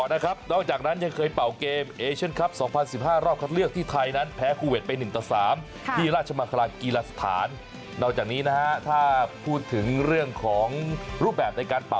อ่าว่ากันต่อนะครับนอกจากนั้นยังเคยเป๋าเกม